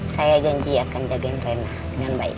saya janji akan jagain rena dengan baik